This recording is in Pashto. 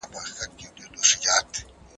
ډاکټران د اعتدال غوښې سپارښتنه کوي.